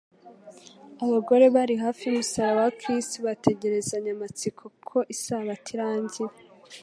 Abagore bari hafi y'umusaraba wa Kristo bategerezanya amatsiko ko isabato irangira.